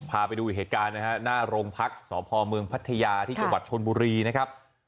พาไปดูอีกเหตุการณ์นะฮะหน้าโรงพักษ์สพเมืองพัทยาที่จังหวัดชนบุรีนะครับ